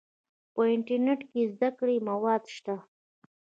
په انټرنیټ کې د زده کړې مواد شته.